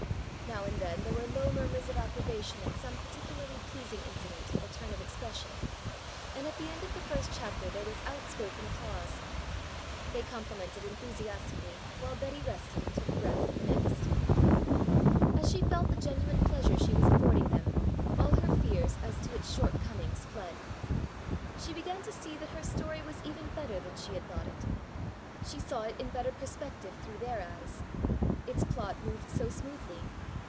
Now and then there were low murmurs of approbation at some particularly pleasing incident or turn of expression, and at the end of the first chapter there was outspoken applause. They complimented enthusiastically while Betty rested and took breath for the next. As she felt the genuine pleasure she was affording them, all her fears as to its short comings fled. She began to see that her story was even better than she had thought it. She saw it in better perspective through their eyes. Its plot moved so smoothly.